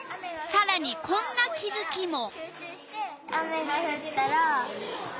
さらにこんな気づきも。